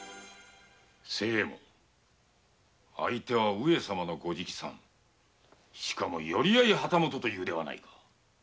清右衛門相手は上様の御直参しかも寄り合い旗本ではないか。